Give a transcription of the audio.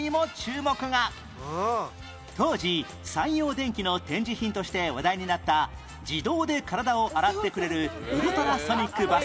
当時三洋電機の展示品として話題になった自動で体を洗ってくれるウルトラソニックバス